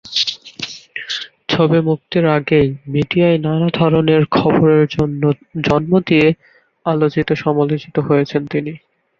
ছবি মুক্তির আগেই মিডিয়ায় নানা ধরনের খবরের জন্ম দিয়ে আলোচিত-সমালোচিত হয়েছেন তিনি।